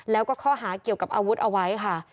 แล้วก็ข้อหาเกี่ยวกับอาวุธเอาไว้ค่ะ